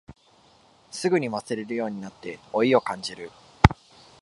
すぐに忘れるようになって老いを感じる